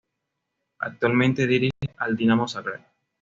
Actualmente dirige al Dinamo Zagreb.